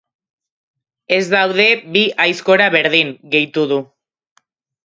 Ez daude bi aizkora berdin, gehitu du.